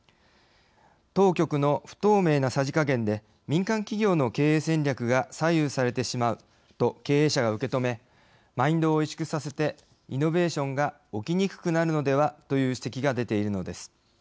当局の不透明なさじ加減で民間企業の経営戦略が左右されてしまうと経営者が受け止めマインドを萎縮させてイノベーションが起きにくくなるのではという指摘が出ているのです。